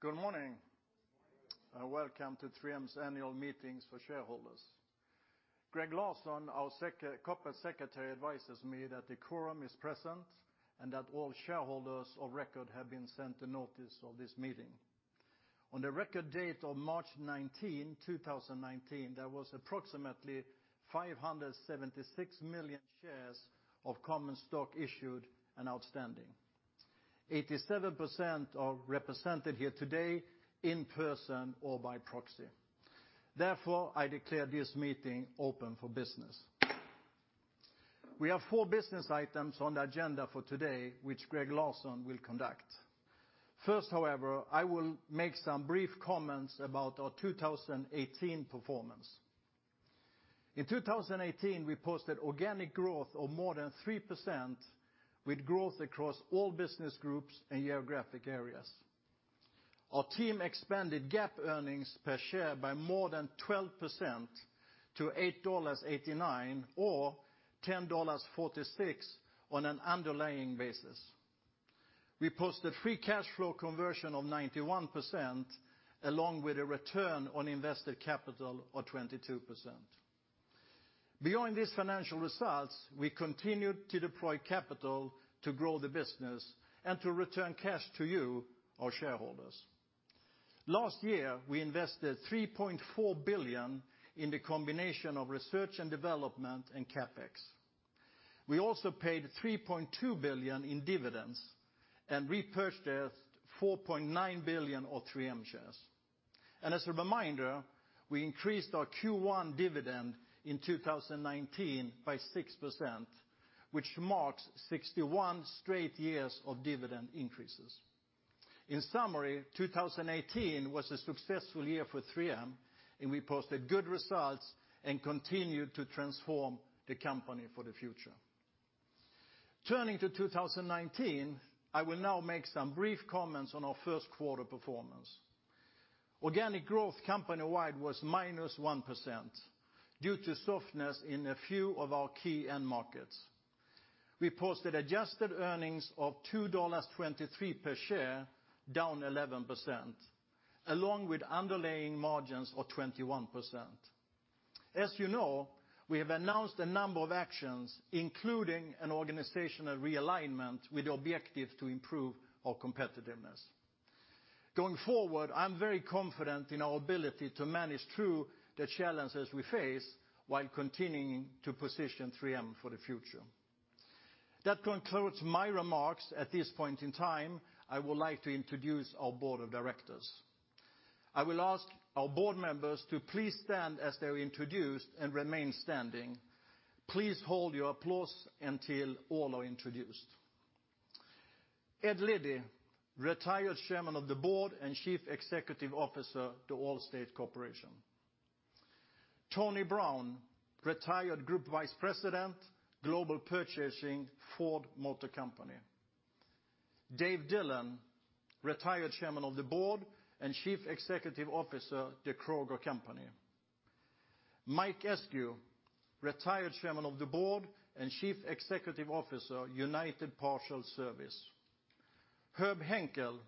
Good morning. Good morning. Welcome to 3M's annual meetings for shareholders. Gregg Larson, our Corporate Secretary, advises me that the quorum is present, and that all shareholders of record have been sent a notice of this meeting. On the record date of March 19, 2019, there was approximately 576 million shares of common stock issued and outstanding. 87% are represented here today in person or by proxy. Therefore, I declare this meeting open for business. We have four business items on the agenda for today, which Gregg Larson will conduct. First, however, I will make some brief comments about our 2018 performance. In 2018, we posted organic growth of more than 3%, with growth across all business groups and geographic areas. Our team expanded GAAP earnings per share by more than 12% to $8.89, or $10.46 on an underlying basis. We posted free cash flow conversion of 91%, along with a Return on Invested Capital of 22%. Beyond these financial results, we continued to deploy capital to grow the business and to return cash to you, our shareholders. Last year, we invested $3.4 billion in the combination of research and development and CapEx. We also paid $3.2 billion in dividends and repurchased $4.9 billion of 3M shares. As a reminder, we increased our Q1 dividend in 2019 by 6%, which marks 61 straight years of dividend increases. In summary, 2018 was a successful year for 3M, and we posted good results and continued to transform the company for the future. Turning to 2019, I will now make some brief comments on our first quarter performance. Organic growth company-wide was minus 1% due to softness in a few of our key end markets. We posted adjusted earnings of $2.23 per share, down 11%, along with underlying margins of 21%. As you know, we have announced a number of actions, including an organizational realignment, with the objective to improve our competitiveness. Going forward, I'm very confident in our ability to manage through the challenges we face while continuing to position 3M for the future. That concludes my remarks at this point in time. I would like to introduce our board of directors. I will ask our board members to please stand as they're introduced and remain standing. Please hold your applause until all are introduced. Ed Liddy, retired Chairman of the Board and Chief Executive Officer of Allstate Corporation. Tony Brown, retired Group Vice President, Global Purchasing, Ford Motor Company. Dave Dillon, retired Chairman of the Board and Chief Executive Officer, The Kroger Co. Mike Eskew, retired Chairman of the Board and Chief Executive Officer, United Parcel Service, Inc. Herb Henkel,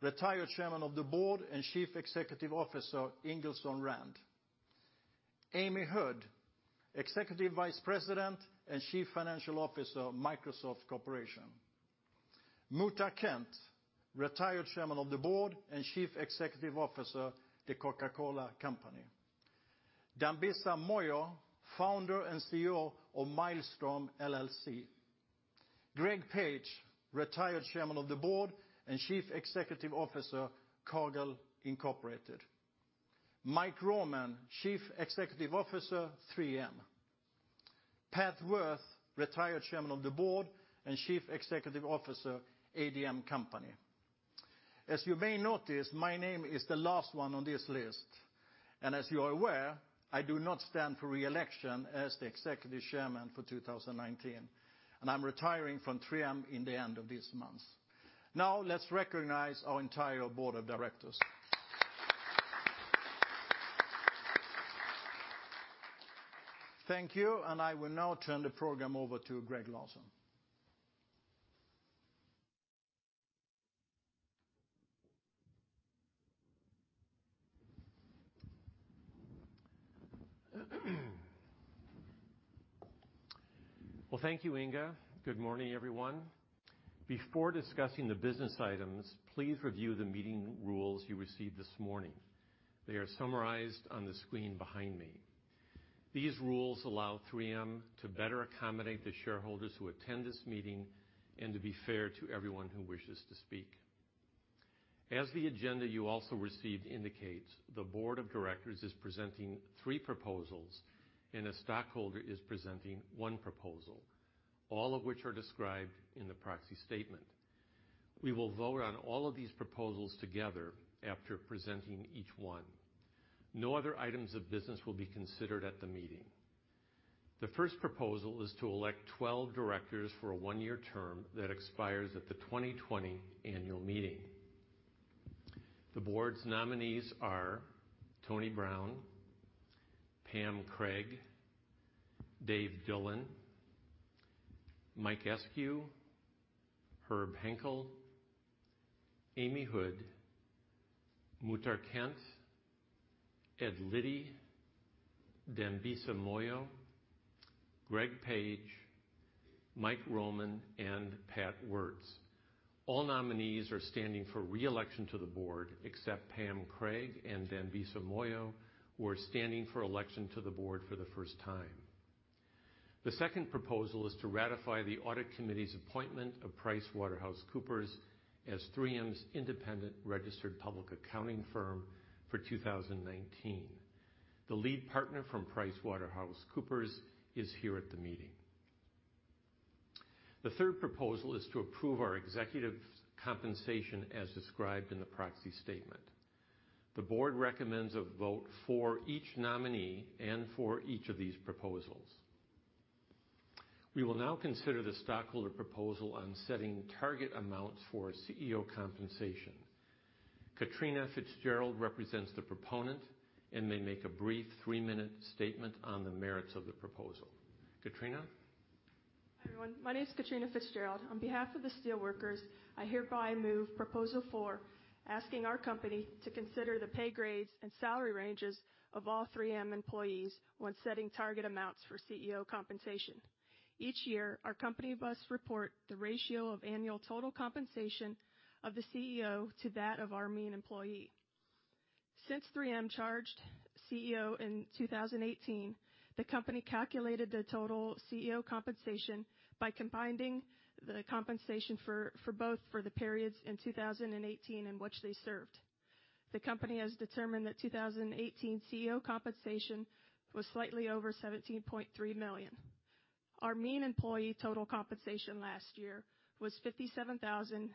retired Chairman of the Board and Chief Executive Officer, Ingersoll Rand. Amy Hood, Executive Vice President and Chief Financial Officer, Microsoft Corporation. Muhtar Kent, retired Chairman of the Board and Chief Executive Officer, The Coca-Cola Company. Dambisa Moyo, founder and CEO of Mildstorm LLC. Greg Page, retired Chairman of the Board and Chief Executive Officer, Cargill Incorporated. Mike Roman, Chief Executive Officer, 3M. Pat Woerth, retired Chairman of the Board and Chief Executive Officer, ADM. As you may notice, my name is the last one on this list, as you are aware, I do not stand for reelection as the Executive Chairman for 2019, and I'm retiring from 3M in the end of this month. Let's recognize our entire board of directors. Thank you. I will now turn the program over to Gregg Lawson. Well, thank you, Inge. Good morning, everyone. Before discussing the business items, please review the meeting rules you received this morning. They are summarized on the screen behind me. These rules allow 3M to better accommodate the shareholders who attend this meeting and to be fair to everyone who wishes to speak. As the agenda you also received indicates, the board of directors is presenting three proposals, and a stockholder is presenting one proposal, all of which are described in the proxy statement. We will vote on all of these proposals together after presenting each one. No other items of business will be considered at the meeting. The first proposal is to elect 12 directors for a one-year term that expires at the 2020 annual meeting. The board's nominees are Tony Brown, Pam Craig, Dave Dillon, Mike Eskew, Herb Henkel, Amy Hood, Muhtar Kent, Ed Liddy, Dambisa Moyo, Greg Page, Mike Roman, and Pat Woertz. All nominees are standing for reelection to the board, except Pam Craig and Dambisa Moyo, who are standing for election to the board for the first time. The second proposal is to ratify the audit committee's appointment of PricewaterhouseCoopers as 3M's independent registered public accounting firm for 2019. The lead partner from PricewaterhouseCoopers is here at the meeting. The third proposal is to approve our executive compensation as described in the proxy statement. The board recommends a vote for each nominee and for each of these proposals. We will now consider the stockholder proposal on setting target amounts for CEO compensation. Katrina Fitzgerald represents the proponent and may make a brief three-minute statement on the merits of the proposal. Katrina? Hi, everyone. My name's Katrina Fitzgerald. On behalf of the Steelworkers, I hereby move proposal 4, asking our company to consider the pay grades and salary ranges of all 3M employees when setting target amounts for CEO compensation. Each year, our company must report the ratio of annual total compensation of the CEO to that of our mean employee. Since 3M charged CEO in 2018, the company calculated the total CEO compensation by combining the compensation for both for the periods in 2018 in which they served. The company has determined that 2018 CEO compensation was slightly over $17.3 million. Our mean employee total compensation last year was $57,313,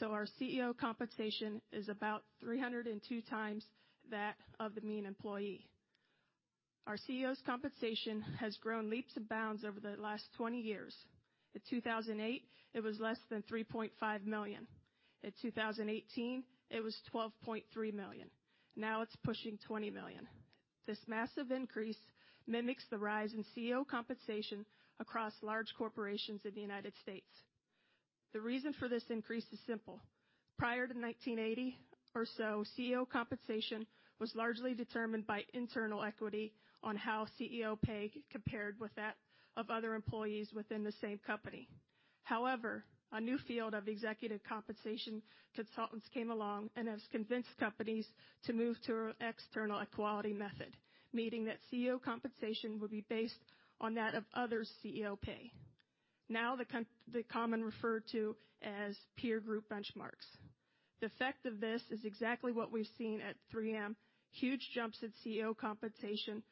so our CEO compensation is about 302 times that of the mean employee. Our CEO's compensation has grown leaps and bounds over the last 20 years. In 2008, it was less than $3.5 million. In 2018, it was $12.3 million. Now it's pushing $20 million. This massive increase mimics the rise in CEO compensation across large corporations in the U.S. The reason for this increase is simple. Prior to 1980 or so, CEO compensation was largely determined by internal equity on how CEO pay compared with that of other employees within the same company. However, a new field of executive compensation consultants came along and has convinced companies to move to an external equality method, meaning that CEO compensation would be based on that of others' CEO pay, now the common referred to as peer group benchmarks. The effect of this is exactly what we've seen at 3M, huge jumps at CEO compensation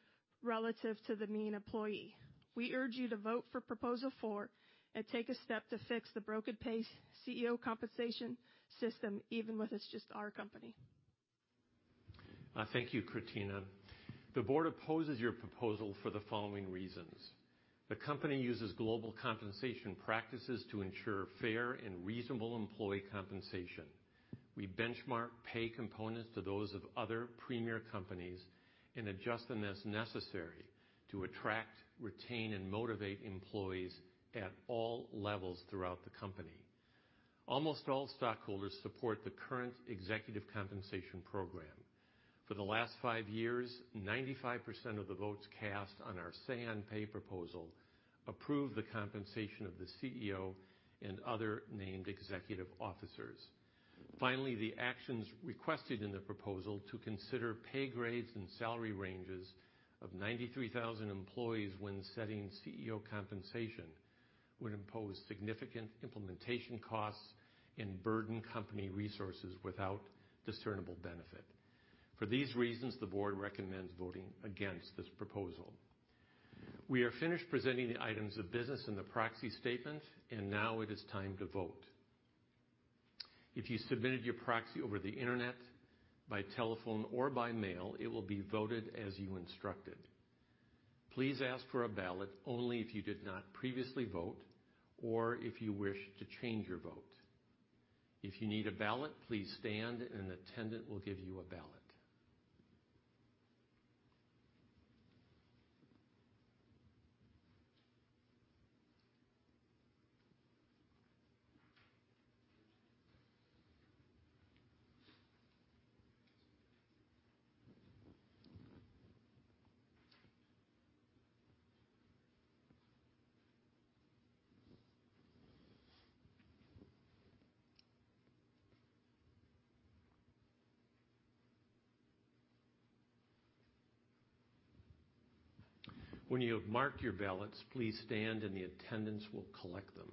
relative to the mean employee. We urge you to vote for proposal 4 and take a step to fix the broken CEO compensation system, even if it's just our company. Thank you, Katrina. The board opposes your proposal for the following reasons. The company uses global compensation practices to ensure fair and reasonable employee compensation. We benchmark pay components to those of other premier companies and adjust them as necessary to attract, retain, and motivate employees at all levels throughout the company. Almost all stockholders support the current executive compensation program. For the last five years, 95% of the votes cast on our Say on Pay proposal approved the compensation of the CEO and other named executive officers. Finally, the actions requested in the proposal to consider pay grades and salary ranges of 93,000 employees when setting CEO compensation would impose significant implementation costs and burden company resources without discernible benefit. For these reasons, the board recommends voting against this proposal. We are finished presenting the items of business in the proxy statement, and now it is time to vote. If you submitted your proxy over the internet, by telephone, or by mail, it will be voted as you instructed. Please ask for a ballot only if you did not previously vote or if you wish to change your vote. If you need a ballot, please stand and an attendant will give you a ballot. When you have marked your ballots, please stand and the attendants will collect them.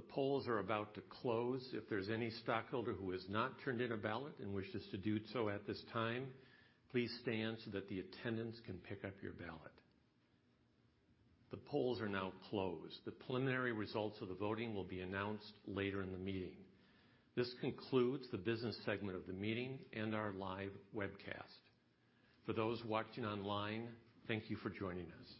The polls are about to close. If there's any stockholder who has not turned in a ballot and wishes to do so at this time, please stand so that the attendants can pick up your ballot. The polls are now closed. The preliminary results of the voting will be announced later in the meeting. This concludes the business segment of the meeting and our live webcast. For those watching online, thank you for joining us.